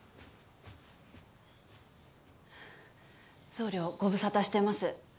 総領ご無沙汰してます。